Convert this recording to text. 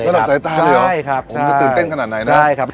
ดับสายตาเลยเหรอผมก็ตื่นเต้นขนาดไหนนะครับใช่ครับ